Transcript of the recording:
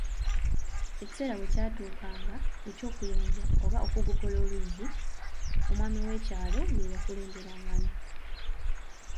Ekiseera bwe kyatuukanga okuyonja oba okugogola oluzzi, omwami w'ekyalo ye yakulemberangamu.